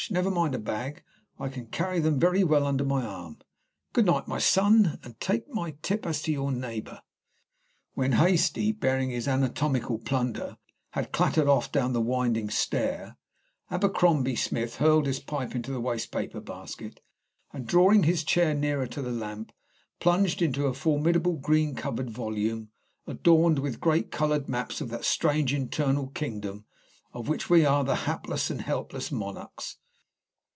Never mind a bag, I can carry them very well under my arm. Good night, my son, and take my tip as to your neighbour." When Hastie, bearing his anatomical plunder, had clattered off down the winding stair, Abercrombie Smith hurled his pipe into the wastepaper basket, and drawing his chair nearer to the lamp, plunged into a formidable green covered volume, adorned with great colored maps of that strange internal kingdom of which we are the hapless and helpless monarchs.